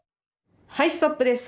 はいストップです。